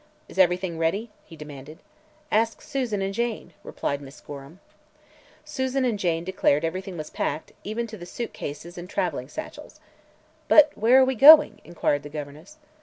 "Is everything ready?" he demanded. "Ask Susan and Jane," replied Miss Gorham. Susan and Jane declared everything was packed, even to the suit cases and traveling satchels. "But where are we going?" inquired the governess.